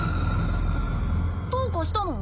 どうかしたの？